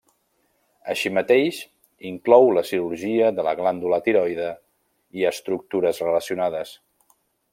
Així mateix inclou la cirurgia de la glàndula tiroide i estructures relacionades.